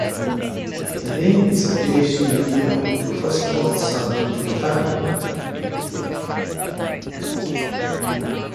The name is occasionally given to the first-born son in a family.